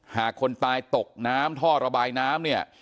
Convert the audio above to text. หากคนตายตกท่อระบายน้ำ